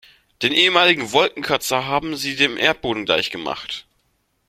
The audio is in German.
Den ehemaligen Wolkenkratzer haben sie dem Erdboden gleichgemacht.